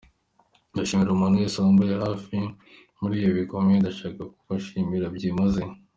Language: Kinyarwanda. Ndashimira umuntu wese wambaye hafi muri ibi bihe bikomeye, ndashaka kubashimira byimazeyo.